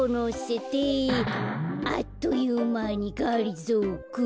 「あっというまにがりぞーくん」